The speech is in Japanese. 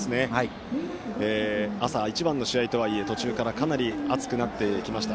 朝一番の試合とはいえ途中からかなり暑くなってきました。